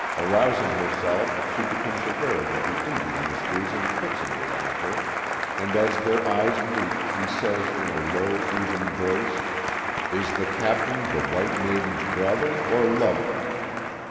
Arousing herself she becomes aware that the Indian is gazing fixedly at her, and as their eyes meet he says in a low, even voice, Is the captain the white maiden's brother or lover